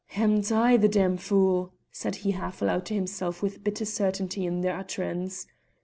"Amn't I the damned fool?" said he half aloud to himself with bitter certainty in the utterance.